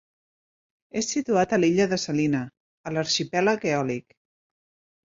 És situat a l'illa de Salina, a l'arxipèlag Eòlic.